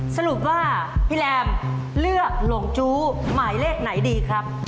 สรุปว่าพี่แรมเลือกหลงจู้หมายเลขไหนดีครับ